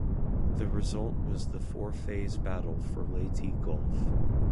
The result was the four-phase Battle for Leyte Gulf.